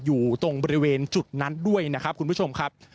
อยู่ตรงบริเวณจุดนั้นด้วยนะครับคุณผู้ชมครับ